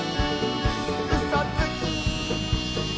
「うそつき！」